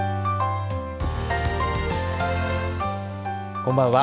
こんばんは。